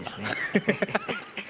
ハハハハ。